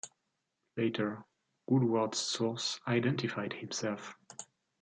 Later, Woodward's source identified himself.